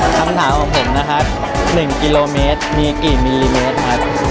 คำถามของผมนะครับ๑กิโลเมตรมีกี่มิลลิเมตรครับ